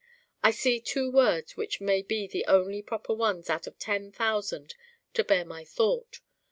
I see two words which may be the only proper ones out of ten thousand to bear my thought.